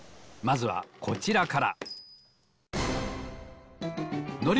まずはこちらから。